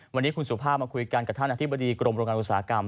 วันนี้คุณสุภาพมาคุยกันกับท่านอธิบดีกรมโรงงานอุตสาหกรรม